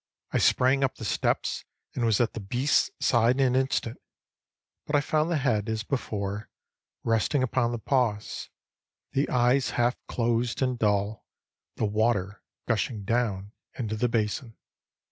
I sprang up the steps and was at the beast's side in an instant; but I found the head, as before, resting upon the paws, the eyes half closed and dull, the water gushing down into the basin.